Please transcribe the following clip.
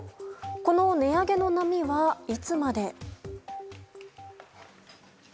この値上げの波はいつまで？